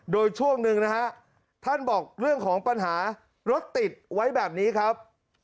โดยช่วงหนึ่งนะฮะท่านบอกเรื่องของปัญหารถติดไว้แบบนี้ครับ